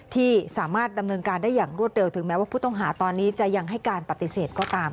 ที่สามารถดำเนินการได้อย่างรวดเร็วถึงแม้ว่าผู้ต้องหาตอนนี้จะยังให้การปฏิเสธก็ตาม